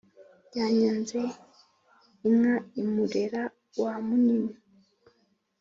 yanyaze inka i murera wa munini